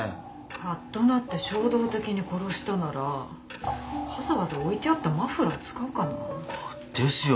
カッとなって衝動的に殺したならわざわざ置いてあったマフラーを使うかな。ですよね。